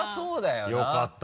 よかった！